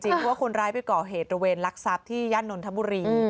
เพราะว่าคนร้ายไปก่อเหตุระเวนลักทรัพย์ที่ย่านนทบุรี